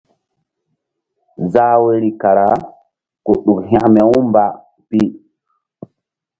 Zah woyri kara ku ɗuk hȩkme-umba pi.